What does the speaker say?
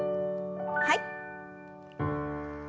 はい。